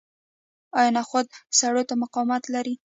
آیا نخود سړو ته مقاومت لري؟